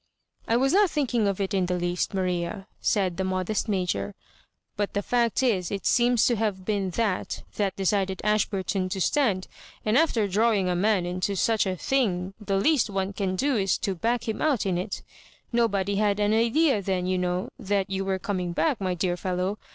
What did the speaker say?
" I was not thinking of it in the least, Maria," said the modest Major ;" but the fact is, it seems to have been that that decided Ashburton to stand; and after drawing a man into such a thing the least one can do is to back him out in it Nobody had an idea then, you know, that you were coming back, my dear fellow.